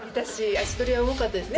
足取りは重かったですね